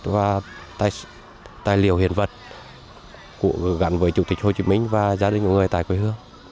và tài liệu hiện vật gắn với chủ tịch hồ chí minh và gia đình của người tại quê hương